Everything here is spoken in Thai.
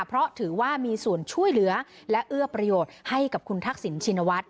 เพราะถือว่ามีส่วนช่วยเหลือและเอื้อประโยชน์ให้กับคุณทักษิณชินวัฒน